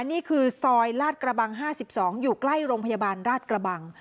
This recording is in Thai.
นี่คือซอยลาดกระบัง๕๒อยู่ใกล้โรงพยาบาลราชกระบัง